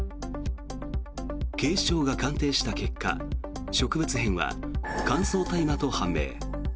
警視庁が鑑定した結果植物片は乾燥大麻と判明。